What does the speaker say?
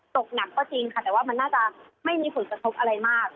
ตกหนักก็จริงค่ะแต่ว่ามันน่าจะไม่มีผลกระทบอะไรมาก